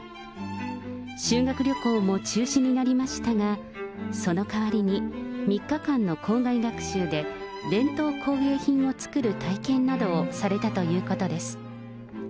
修学旅行も中止になりましたが、そのかわりに３日間の校外学習で伝統工芸品を作る体験などをされたということです。